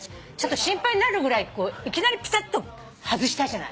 心配になるぐらいいきなりぴたっと外したじゃない。